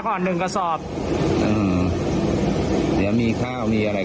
ขอบคุณมากเลยค่ะพระอาจารย์